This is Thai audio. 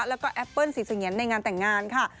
แล้วก็แอปเปิ้ลสีเสงียนในงานแต่งงานค่ะ